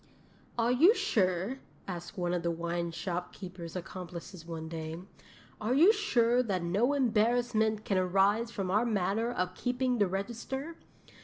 '"Are you sure," asked one of the wine shopkeeper's accomplices one day, "are you sure that no embarrassment can arise from our manner of keeping the register?